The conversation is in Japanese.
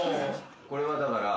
これはだから。